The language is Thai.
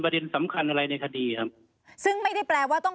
สำคัญอะไรในคดีครับซึ่งไม่ได้แปลว่าต้อง